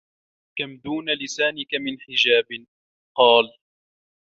كَمْ دُونَ لِسَانِك مِنْ حِجَابٍ ؟ قَالَ